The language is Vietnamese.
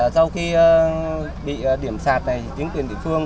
sau khi bị điểm sạt này chính quyền địa phương